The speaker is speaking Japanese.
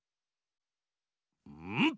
うん！